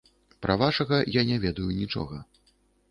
Пра вашага я не ведаю нічога.